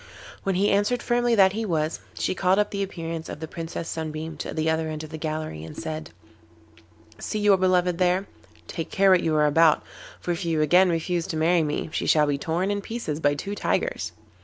When he answered firmly that he was, she called up the appearance of the Princess Sunbeam to the other end of the gallery, and said: 'You see your beloved there? Take care what you are about, for if you again refuse to marry me she shall be torn in pieces by two tigers.